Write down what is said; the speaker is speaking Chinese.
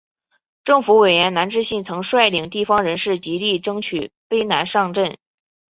省府委员南志信曾率领地方人士极力争取卑南上圳。